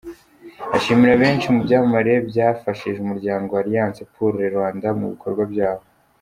Ashimira benshi mu byamamare byafashije umuryango Alliance pour le Rwanda mu bikorwa byawo.